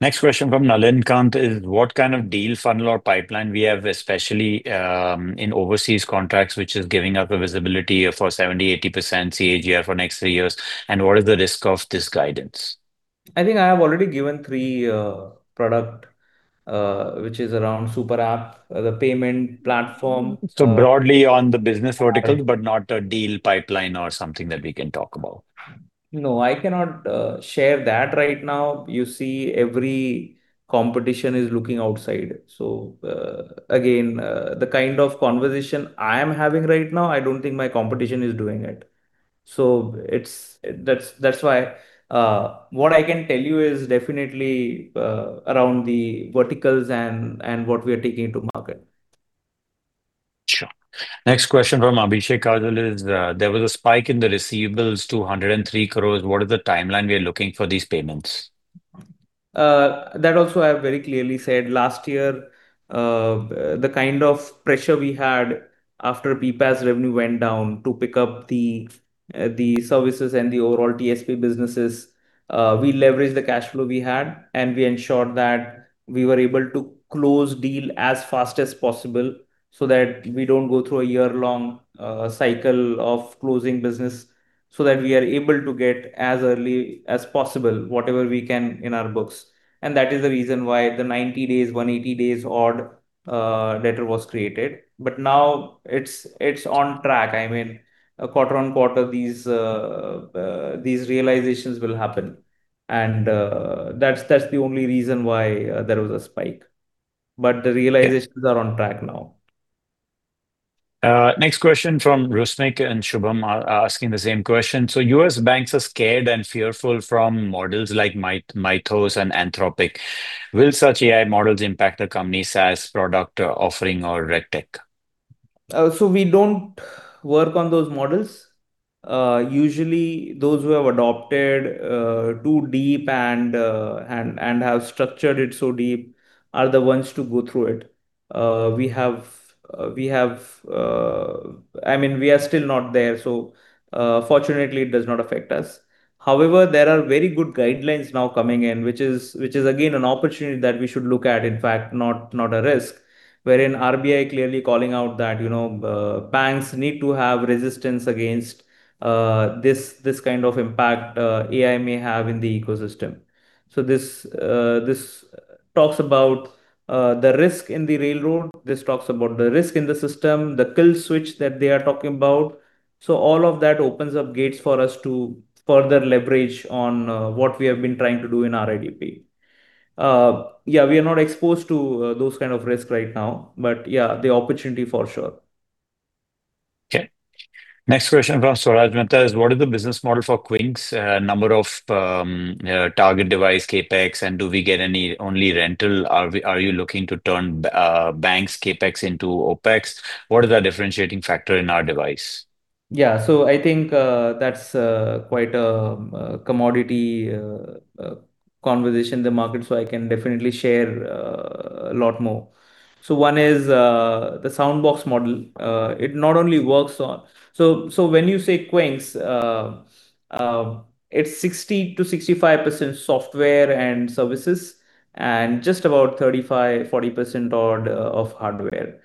Next question from Nalin Kant is, what kind of deal funnel or pipeline we have, especially in overseas contracts, which is giving us a visibility for 70%-80% CAGR for next three years, what is the risk of this guidance? I think I have already given three product, which is around Super App, the payment platform. Broadly on the business verticals, not a deal pipeline or something that we can talk about. No, I cannot share that right now. You see, every competition is looking outside. Again, the kind of conversation I am having right now, I don't think my competition is doing it. That's why. What I can tell you is definitely around the verticals and what we are taking to market. Sure. Next question from Abhishek Kajal is, there was a spike in the receivables to 103 crores. What is the timeline we are looking for these payments? That also, I have very clearly said. Last year, the kind of pressure we had after PPaaS revenue went down to pick up the services and the overall TSP businesses, we leveraged the cash flow we had, and we ensured that we were able to close deal as fast as possible so that we don't go through a year-long cycle of closing business, so that we are able to get as early as possible, whatever we can in our books. That is the reason why the 90 days, 180 days odd debtor was created. Now it's on track. Quarter-on-quarter, these realizations will happen. That's the only reason why there was a spike. The realizations are on track now. Next question from Rusmik and Shubham are asking the same question. U.S. banks are scared and fearful from models like Mythos and Anthropic. Will such AI models impact the company's SaaS product offering or RegTech? We don't work on those models. Usually, those who have adopted too deep and have structured it so deep are the ones to go through it. We are still not there. Fortunately, it does not affect us. However, there are very good guidelines now coming in, which is again an opportunity that we should look at, in fact, not a risk. Wherein RBI clearly calling out that banks need to have resistance against this kind of impact AI may have in the ecosystem. This talks about the risk in the railroad, this talks about the risk in the system, the kill switch that they are talking about. All of that opens up gates for us to further leverage on what we have been trying to do in our RIDP. We are not exposed to those kind of risks right now, but the opportunity for sure. Next question from Swaraj Mehta is, what is the business model for Qynx? Number of target device, CapEx, and do we get any only rental? Are you looking to turn banks' CapEx into OpEx? What is our differentiating factor in our device? I think that's quite a commodity conversation in the market, I can definitely share a lot more. One is the soundbox model. When you say Qynx, it's 60%-65% software and services and just about 35%-40% odd of hardware.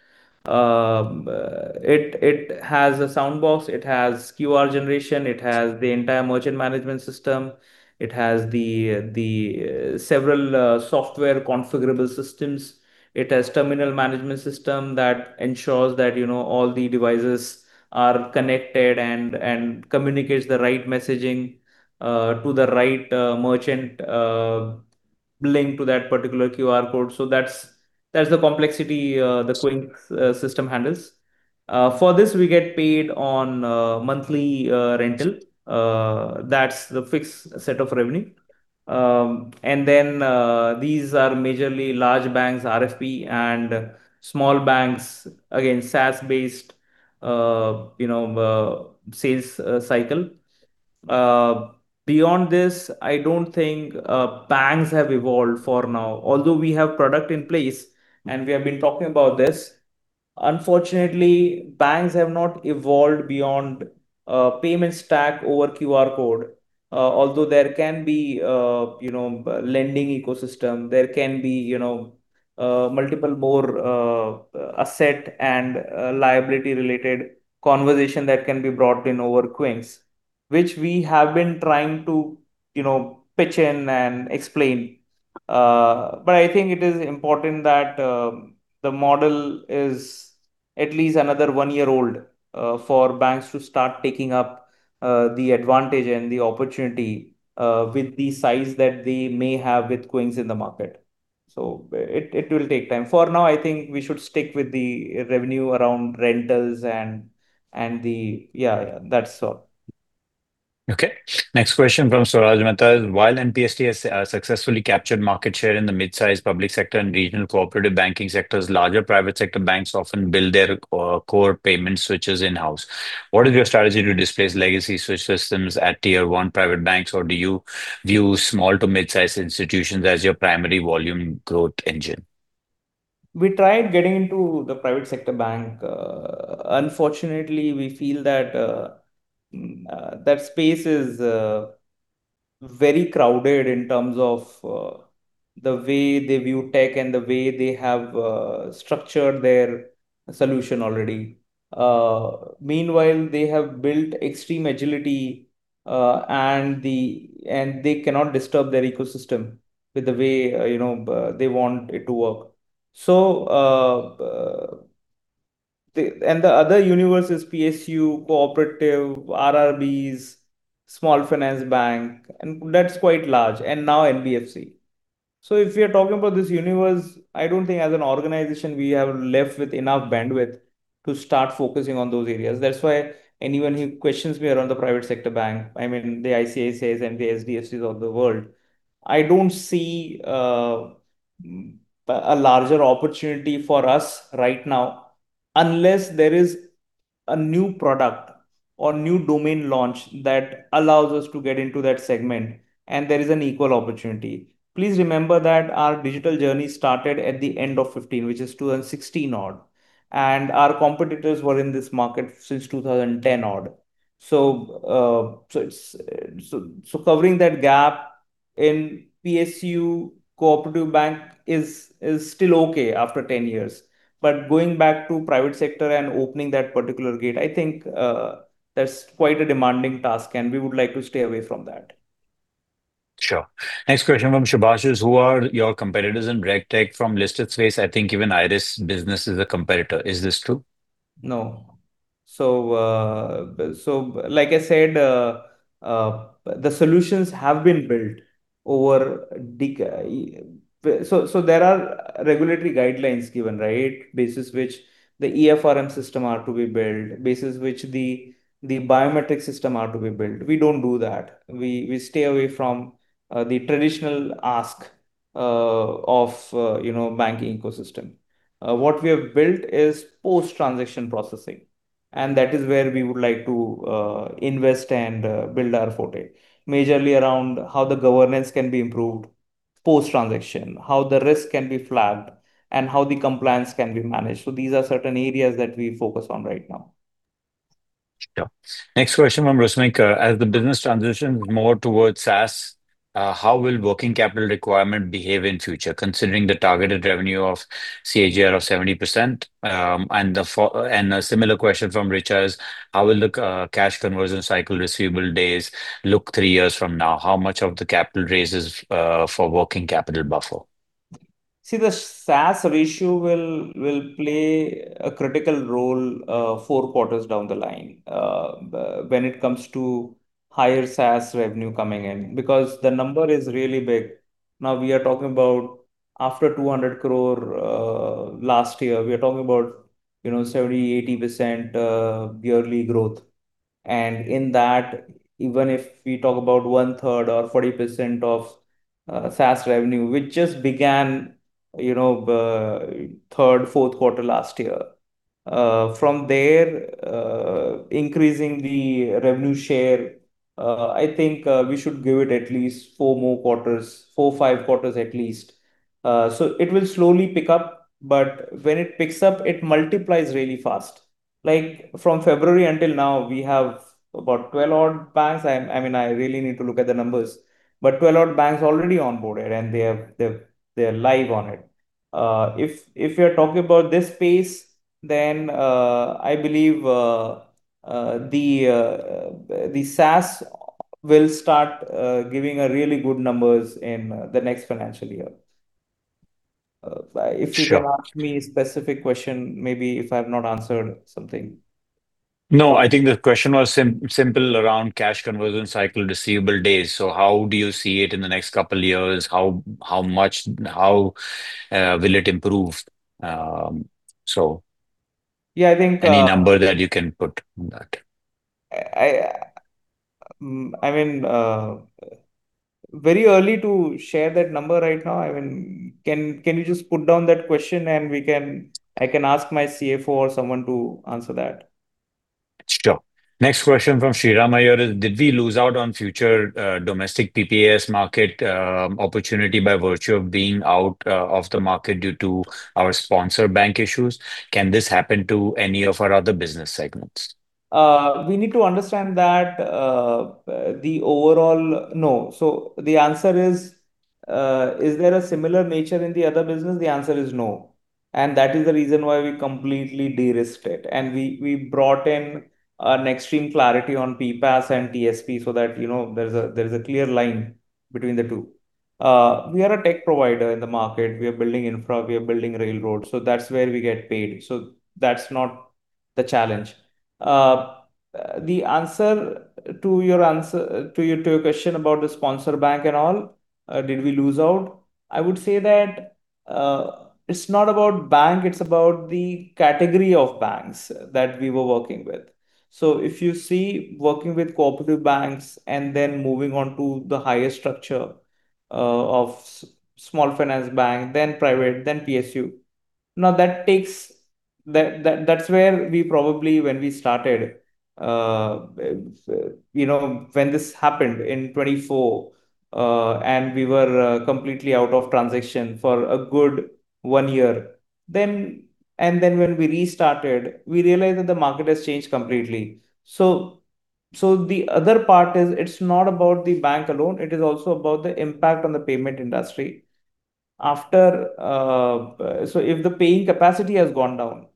It has a soundbox, it has QR generation, it has the entire merchant management system. It has several software configurable systems. It has terminal management system that ensures that all the devices are connected and communicates the right messaging to the right merchant link to that particular QR code. That's the complexity the Qynx system handles. For this, we get paid on a monthly rental. That's the fixed set of revenue. These are majorly large banks, RFP, and small banks, again, SaaS-based sales cycle. Beyond this, I don't think banks have evolved for now, although we have product in place and we have been talking about this. Unfortunately, banks have not evolved beyond payment stack over QR code. Although there can be a lending ecosystem, there can be multiple more asset and liability-related conversation that can be brought in over Qynx, which we have been trying to pitch in and explain. I think it is important that the model is at least another one year old for banks to start taking up the advantage and the opportunity, with the size that they may have with Qynx in the market. It will take time. For now, I think we should stick with the revenue around rentals and yeah, that's all. Okay. Next question from Swaraj Mehta is, while NPST has successfully captured market share in the mid-size public sector and regional cooperative banking sectors, larger private sector banks often build their core payment switches in-house. What is your strategy to displace legacy switch systems at Tier 1 private banks, or do you view small to mid-size institutions as your primary volume growth engine? We tried getting into the private sector bank. Unfortunately, we feel that space is very crowded in terms of the way they view tech and the way they have structured their solution already. Meanwhile, they have built extreme agility, and they cannot disturb their ecosystem with the way they want it to work. The other universe is PSU, cooperative, RRBs, small finance bank, and that's quite large. Now NBFC. If we are talking about this universe, I don't think as an organization, we have left with enough bandwidth to start focusing on those areas. That's why anyone who questions me around the private sector bank, I mean, the ICICIs and the HDFC of the world. I don't see a larger opportunity for us right now, unless there is a new product or new domain launch that allows us to get into that segment and there is an equal opportunity. Please remember that our digital journey started at the end of 2015, which is 2016 odd, and our competitors were in this market since 2010 odd. Covering that gap in PSU cooperative bank is still okay after 10 years. Going back to private sector and opening that particular gate, I think that's quite a demanding task, and we would like to stay away from that. Sure. Next question from Subhash is, who are your competitors in RegTech? From listed space, I think even Iress business is a competitor. Is this true? No. Like I said, the solutions have been built. There are regulatory guidelines given, right? Basis which the eFRM system are to be built, basis which the biometric system are to be built. We don't do that. We stay away from the traditional ask of banking ecosystem. What we have built is post-transaction processing. That is where we would like to invest and build our forte. Majorly around how the governance can be improved post-transaction, how the risk can be flagged, and how the compliance can be managed. These are certain areas that we focus on right now. Yeah. Next question from Rusmik, "As the business transitions more towards SaaS, how will working capital requirement behave in future considering the targeted revenue of CAGR of 70%?" A similar question from Richard, "How will cash conversion cycle receivable days look three years from now? How much of the capital raise is for working capital buffer? See, the SaaS ratio will play a critical role four quarters down the line when it comes to higher SaaS revenue coming in, because the number is really big. Now we are talking about after 200 crore last year, we are talking about 70%, 80% yearly growth. In that, even if we talk about one-third or 40% of SaaS revenue, which just began third, fourth quarter last year. From there, increasing the revenue share, I think we should give it at least four more quarters, four, five quarters at least. It will slowly pick up, but when it picks up, it multiplies really fast. From February until now, we have about 12-odd banks. I really need to look at the numbers, but 12-odd banks already onboarded, and they are live on it. If you're talking about this pace, I believe the SaaS will start giving really good numbers in the next financial year. Sure. If you can ask me a specific question, maybe if I've not answered something. I think the question was simple around cash conversion cycle receivable days. How do you see it in the next couple of years? How will it improve? I think. Any number that you can put on that? Very early to share that number right now. Can you just put down that question, and I can ask my CFO or someone to answer that? Sure. Next question from Sriram Iyer is, "Did we lose out on future domestic PPaaS market opportunity by virtue of being out of the market due to our sponsor bank issues? Can this happen to any of our other business segments? We need to understand that the No. The answer is there a similar nature in the other business? The answer is no. That is the reason why we completely de-risked it. We brought in an extreme clarity on PPaaS and TSP so that there's a clear line between the two. We are a tech provider in the market. We are building infra, we are building railroads, so that's where we get paid. That's not the challenge. The answer to your question about the sponsor bank and all, did we lose out? I would say that it's not about bank, it's about the category of banks that we were working with. So if you see working with cooperative banks and then moving on to the higher structure of small finance bank, then private, then PSU. That's where we probably, when we started, when this happened in 2024, we were completely out of transition for a good one year. When we restarted, we realized that the market has changed completely. The other part is it's not about the bank alone, it is also about the impact on the payment industry. If the paying capacity has gone down,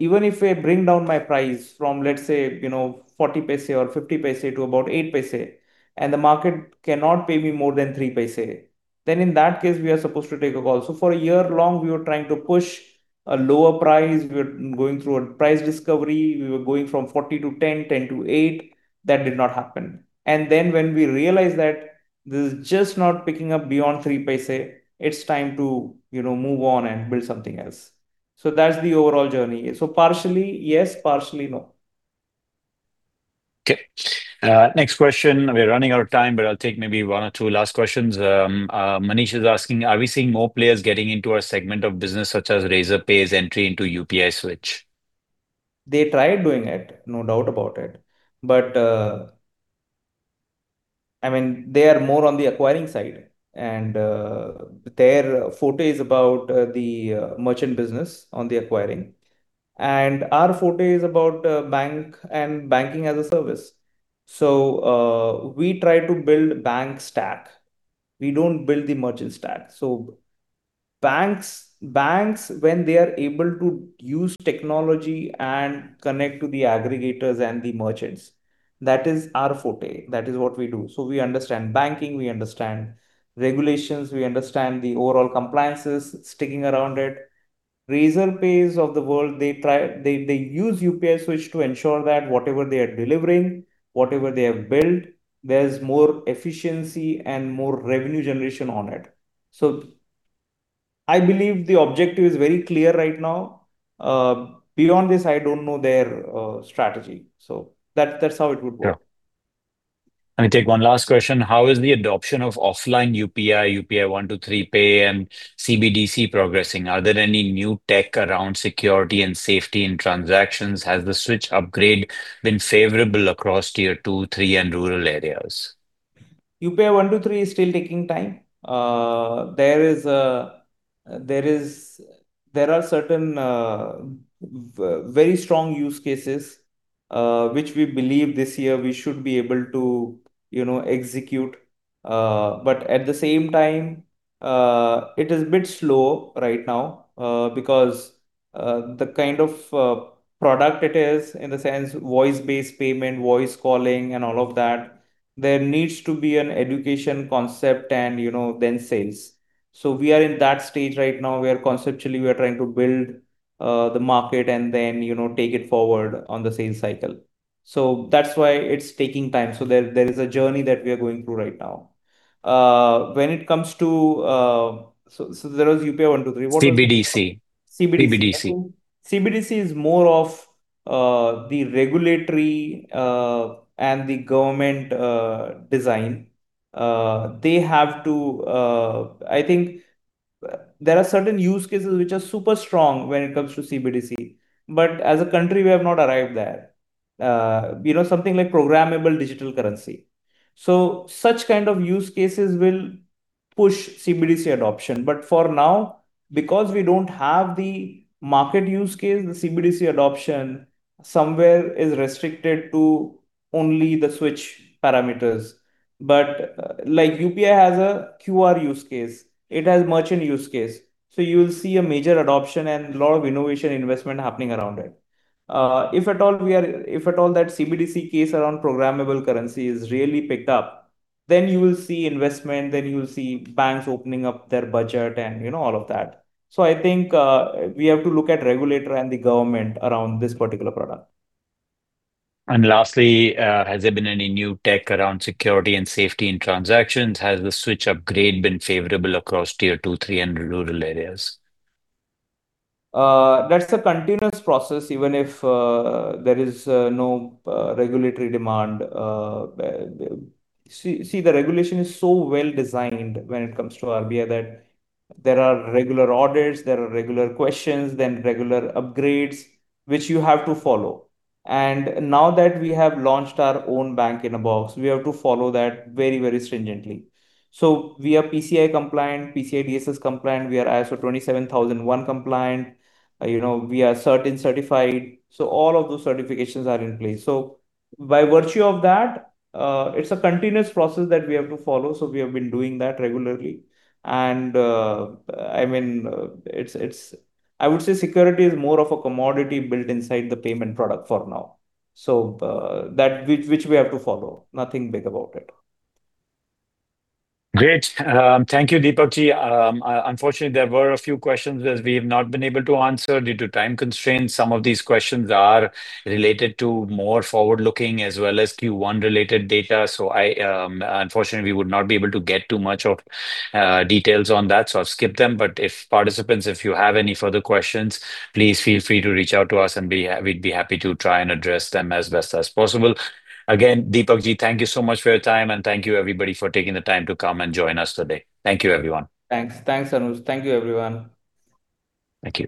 even if I bring down my price from, let's say, 0.40 or 0.50 to about 0.08, and the market cannot pay me more than 0.03, then in that case, we are supposed to take a call. For a year long, we were trying to push a lower price. We were going through a price discovery. We were going from 0.40 to 0.10 to 0.8. That did not happen. When we realized that this is just not picking up beyond 0.03, it's time to move on and build something else. That's the overall journey. Partially yes, partially no. Okay. Next question. We're running out of time, but I'll take maybe one or two last questions. Manish is asking, "Are we seeing more players getting into our segment of business, such as Razorpay's entry into UPI Switch? They tried doing it, no doubt about it. They are more on the acquiring side, and their forte is about the merchant business on the acquiring. Our forte is about bank and banking as a service. We try to build bank stack. We don't build the merchant stack. Banks, when they are able to use technology and connect to the aggregators and the merchants, that is our forte. That is what we do. We understand banking, we understand regulations, we understand the overall compliances sticking around it. Razorpay of the world, they use UPI Switch to ensure that whatever they are delivering, whatever they have built, there's more efficiency and more revenue generation on it. I believe the objective is very clear right now. Beyond this, I don't know their strategy. That's how it would work. Let me take one last question. How is the adoption of offline UPI 123PAY, and CBDC progressing? Are there any new tech around security and safety in transactions? Has the Switch upgrade been favorable across Tier 2, 3, and rural areas? UPI 123 is still taking time. There are certain very strong use cases, which we believe this year we should be able to execute. At the same time, it is a bit slow right now because the kind of product it is, in the sense voice-based payment, voice calling, and all of that, there needs to be an education concept and then sales. We are in that stage right now. Conceptually, we are trying to build the market and then take it forward on the sales cycle. That's why it's taking time. There is a journey that we are going through right now. CBDC. CBDC is more of the regulatory and the government design. I think there are certain use cases which are super strong when it comes to CBDC. As a country, we have not arrived there. Something like programmable digital currency. Such kind of use cases will push CBDC adoption. For now, because we don't have the market use case, the CBDC adoption somewhere is restricted to only the Switch parameters. Like UPI has a QR use case, it has merchant use case. You'll see a major adoption and lot of innovation investment happening around it. If at all that CBDC case around programmable currency is really picked up, then you will see investment, then you'll see banks opening up their budget and all of that. I think we have to look at regulator and the government around this particular product. Lastly, has there been any new tech around security and safety in transactions? Has the Switch upgrade been favorable across Tier 2, 3, and rural areas? That's a continuous process even if there is no regulatory demand. The regulation is so well-designed when it comes to RBI that there are regular audits, there are regular questions, regular upgrades which you have to follow. Now that we have launched our own Bank-in-a-Box, we have to follow that very stringently. We are PCI compliant, PCI DSS compliant, we are ISO 27001 compliant. We are CERT-In certified. All of those certifications are in place. By virtue of that, it's a continuous process that we have to follow, so we have been doing that regularly. I would say security is more of a commodity built inside the payment product for now, which we have to follow. Nothing big about it. Great. Thank you, Deepak-ji. Unfortunately, there were a few questions that we have not been able to answer due to time constraints. Some of these questions are related to more forward-looking as well as Q1 related data. Unfortunately, we would not be able to get too much of details on that, so I've skipped them. Participants, if you have any further questions, please feel free to reach out to us and we'd be happy to try and address them as best as possible. Again, Deepak-ji, thank you so much for your time, and thank you everybody for taking the time to come and join us today. Thank you, everyone. Thanks, Anuj. Thank you, everyone. Thank you.